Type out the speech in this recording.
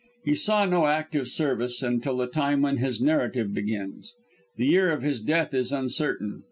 He saw no active service until the time when his narrative begins. The year of his death is uncertain.